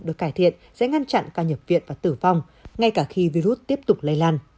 được cải thiện sẽ ngăn chặn ca nhập viện và tử vong ngay cả khi virus tiếp tục lây lan